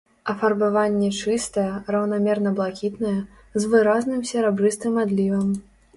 Афарбаванне чыстае, раўнамерна-блакітнае, з выразным серабрыстым адлівам.